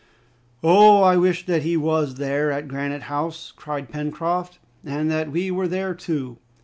"Oh! I wish that he was there, at Granite House!" cried Pencroft, "and that we were there, too!